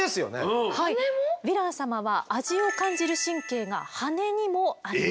ヴィラン様は味を感じる神経が羽にもあります。